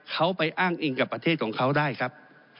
เขาไปอ้างอิงกับประเทศของเขาได้ครับ